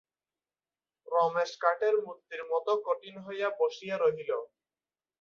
রমেশ কাঠের মূর্তির মতো কঠিন হইয়া বসিয়া রহিল।